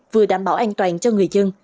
vừa đảm bảo an toàn cho người dân